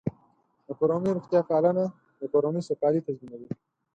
د کورنۍ روغتیا پالنه د کورنۍ سوکالي تضمینوي.